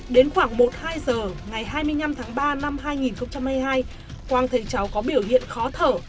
đến khoảng một mươi hai h ngày hai mươi năm tháng ba năm hai nghìn hai mươi hai quang thấy cháu có biểu hiện khó thở